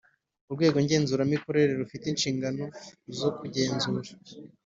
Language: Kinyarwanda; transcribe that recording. Urwego ngenzuramikorere rufite inshingano zo kugenzura